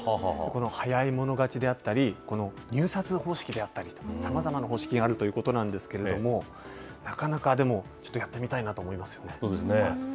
早い者勝ちであったり、入札方式であったりと、さまざまな方式があるということなんですけれども、なかなかでも、ちょっとやってみそうですね。